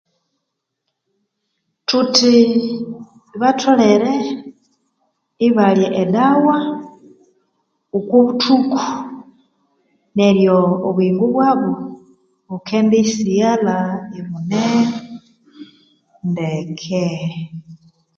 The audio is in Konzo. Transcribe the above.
Thuthi batholere ibalya edawa oko buthuku neryo obuyingo bwabu bukendisighalha ibune ndeke